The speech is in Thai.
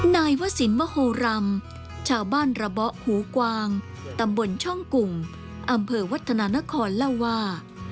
นายวสินมโฮรำชาวบ้านระเบาะหูกวางตำบลช่องกุ่งอำเภอวัฒนานครเล่าว่า